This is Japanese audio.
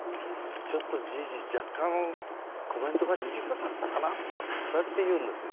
「ちょっとじいじ若干コメントが短かったかな？」とかそうやって言うんですよ。